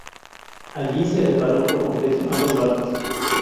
Allí se reparó por completo ambos barcos.